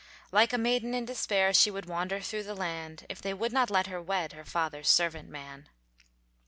Like a maiden in despair, She would wander through the land, If they would not let her wed, Her father's servant man.